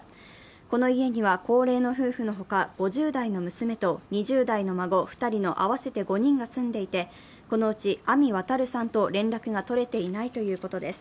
この家には高齢の夫婦の他、５０代の娘と２０代の孫２人の合わせて５人が住んでいて、このうち阿見亘さんと連絡が取れていないということです。